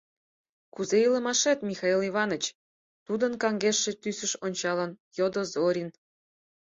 — Кузе илымашет, Михаил Иваныч? — тудын каҥгештше тӱсыш ончалын, йодо Зорин.